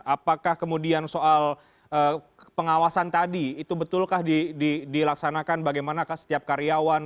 apakah kemudian soal pengawasan tadi itu betulkah dilaksanakan bagaimana setiap karyawan